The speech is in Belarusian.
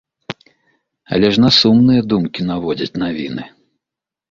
Але ж на сумныя думкі наводзяць навіны.